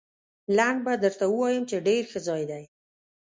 لنډ به درته ووایم، چې ډېر ښه ځای دی.